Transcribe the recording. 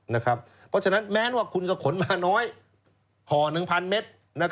เพราะฉะนั้นแม้ว่าคุณก็ขนมาน้อยห่อ๑๐๐เมตร